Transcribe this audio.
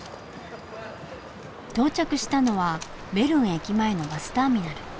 到着したのはベルン駅前のバスターミナル。